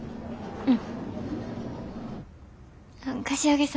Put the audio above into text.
うん。